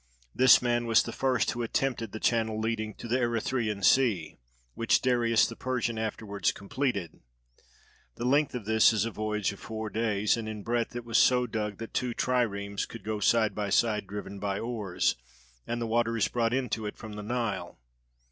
This man was the first who attempted the channel leading to the Erythraian Sea, which Dareios the Persian afterwards completed: the length of this is a voyage of four days, and in breadth it was so dug that two triremes could go side by side driven by oars; and the water is brought into it from the Nile.